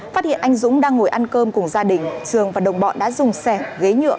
phát hiện anh dũng đang ngồi ăn cơm cùng gia đình trường và đồng bọn đã dùng sẻ ghế nhựa